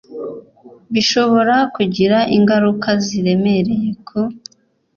bishobora kugira ingaruka ziremereye ku